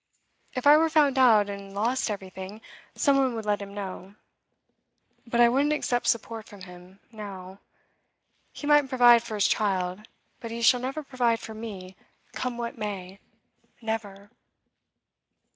If I were found out, and lost everything, some one would let him know. But I wouldn't accept support from him, now. He might provide for his child, but he shall never provide for me, come what may never!